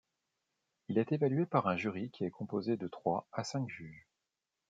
Il est évalué par un jury qui est composé de trois à cinq juges.